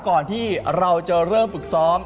ก่อนที่เราจะเริ่มฝึกซ้อม